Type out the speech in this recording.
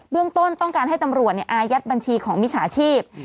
เรื่องต้นต้องการให้ตำรวจอายัดบัญชีของมิจฉาชีพ